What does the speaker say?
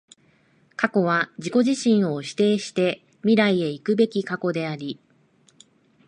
過去は自己自身を否定して未来へ行くべく過去であり、